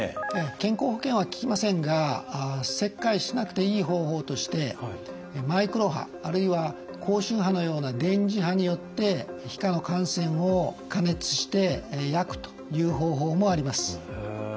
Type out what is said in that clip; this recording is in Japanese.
健康保険は利きませんが切開しなくていい方法としてマイクロ波あるいは高周波のような電磁波によって皮下の汗腺を加熱して焼くという方法もあります。